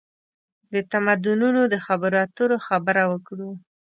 د تمدنونو د خبرواترو خبره وکړو.